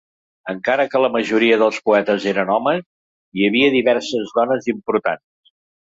Encara que la majoria dels poetes eren homes, hi havia diverses dones importants.